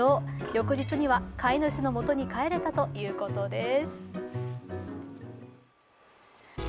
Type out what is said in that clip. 翌日には飼い主の元に帰れたということです。